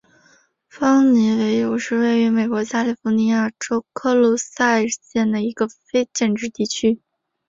邦妮维尤是位于美国加利福尼亚州科卢萨县的一个非建制地区。